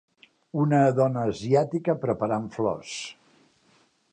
Una dona asiàtica preparant flors.